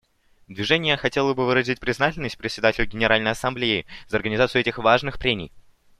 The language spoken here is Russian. Движение хотело бы выразить признательность Председателю Генеральной Ассамблеи за организацию этих важных прений.